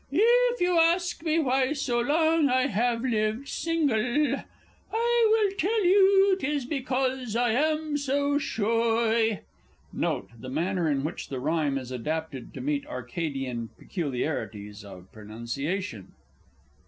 If you ask me why so long I have lived single, I will tell you 'tis because I am so shoy. [_Note the manner in which the rhyme is adapted to meet Arcadian peculiarities of pronunciation.